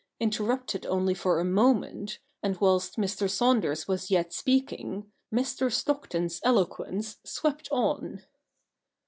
Interrupted only for a moment, and whilst Mr. Saunders was yet speaking, Mr. Stockton's eloquence swept on.